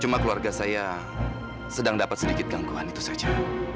cuma keluarga saya sedang dapat sedikit gangguan itu saja